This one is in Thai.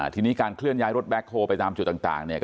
ทีนี้การเคลื่อนย้ายรถแบ็คโฮล์ไปตามจุดต่างเนี่ย